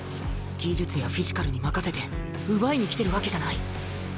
技術やフィジカルに任せて奪いに来てるわけじゃない。